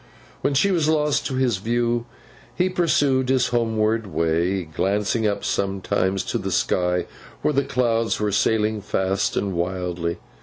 When she was lost to his view, he pursued his homeward way, glancing up sometimes at the sky, where the clouds were sailing fast and wildly.